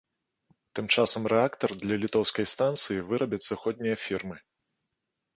Тым часам рэактар для літоўскай станцыі вырабяць заходнія фірмы.